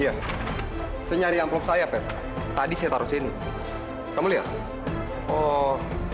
iya tahu aja yang kabarnya ini tak dienes dimensional d restaurant place